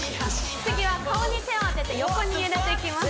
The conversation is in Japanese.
次は顔に手を当てて横に揺れていきます。